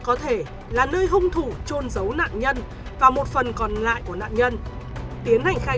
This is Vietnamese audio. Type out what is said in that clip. có thể là nơi hung thủ trôn giấu nạn nhân và một phần còn lại của nạn nhân tiến hành khai